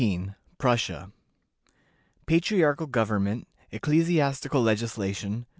PRUSSIA. Patriarchal Government. Ecclesiastical Legislation.